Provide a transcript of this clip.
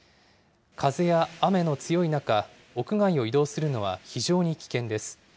風や雨の強い中、屋外を移動するのは非常に危険です。